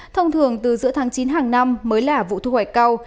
thông thường từ giữa tháng chín hàng năm mới là vụ thu hoạch cao